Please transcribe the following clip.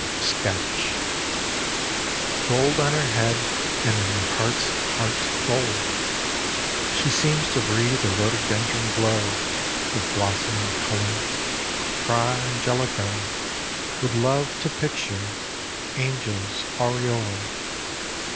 Sketch GOLD on her head, and in her heart's heart, gold ! She seems to breathe a rhododendron glow Of blossoming colour, Fra Angelico Would love to picture angels aureoled